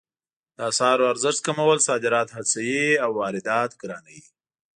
د اسعارو ارزښت کمول صادرات هڅوي او واردات ګرانوي